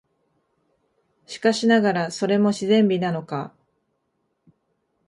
しかしながら、それも自然美なのか、